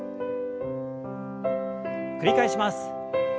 繰り返します。